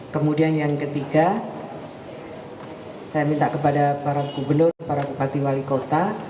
kemudian yang ketiga saya minta kepada para gubernur para bupati wali kota